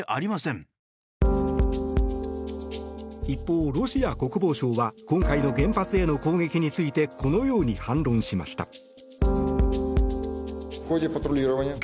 一方、ロシア国防省は今回の原発への攻撃についてこのように反論しました。